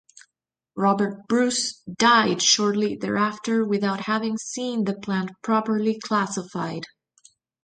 Robert Bruce died shortly thereafter, without having seen the plant properly classified.